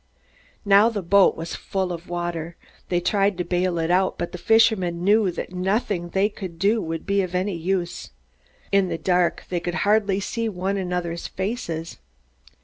Now the boat was full of water. They tried to bail it out, but the fishermen knew that nothing they could do would be of any use. In the dark they could hardly see one another's faces.